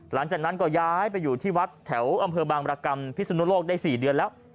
หลังจากนั้นก็ย้ายไปอยู่ที่วัดแถวอำเภอบางบรกรรมพิสุนุโลกได้๔เดือนแล้ว